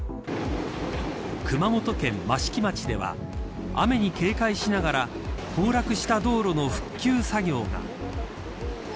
熊本県益城町では雨に警戒しながら崩落した道路の復旧作業が。